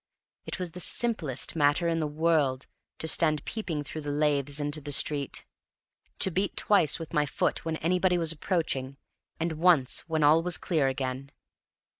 It was the simplest matter in the world to stand peeping through the laths into the street, to beat twice with my foot when anybody was approaching, and once when all was clear again.